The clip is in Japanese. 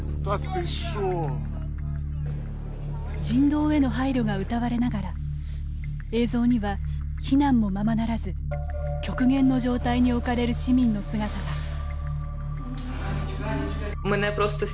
人道への配慮がうたわれながら映像には、避難もままならず極限の状態に置かれる市民の姿が。